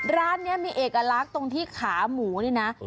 ร้านนี้มีเอกลักษณ์ตรงที่ขาหมูนี่นะ